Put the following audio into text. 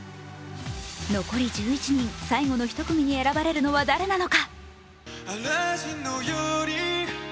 残り１１人、最後の１組に選ばれるのは誰なのか。